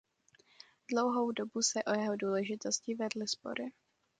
Dlouhou dobu se o jeho důležitosti vedly spory.